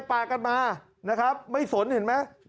ปาดงั้นมาไม่สนเห็นมั้ย